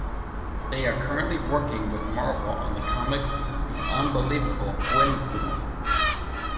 They are currently working with Marvel on the comic "The Unbelievable Gwenpool".